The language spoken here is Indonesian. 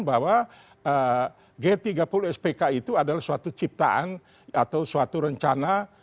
bahwa g tiga puluh spk itu adalah suatu ciptaan atau suatu rencana